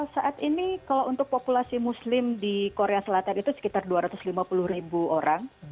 saat ini kalau untuk populasi muslim di korea selatan itu sekitar dua ratus lima puluh ribu orang